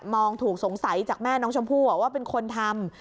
องถูกสงสัยจากแม่น้องชมพู่ว่าเป็นคนทำ